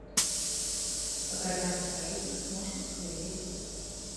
Падрабязны рэйтынг можна паглядзець тут.